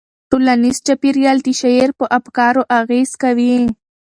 ټولنیز چاپیریال د شاعر په افکارو اغېز کوي.